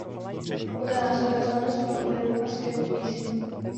Poté následuje slavnostní oběd a zpěv písní.